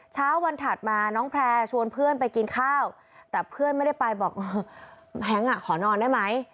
เช้าวันถัดมาน้องแพร่ชวนเพื่อนไปกินข้าวแต่เพื่อนไม่ได้ไปบอกแฮงอ่ะขอนอนได้ไหม